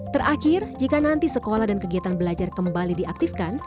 terakhir jika nanti sekolah dan kegiatan belajar kembali diaktifkan